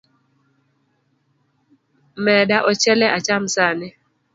Meda ochele acham sani.